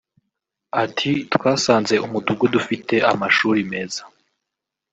Ati “Twasanze umudugudu ufite amashuri meza